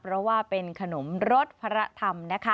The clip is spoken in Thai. เพราะว่าเป็นขนมรสพระธรรมนะคะ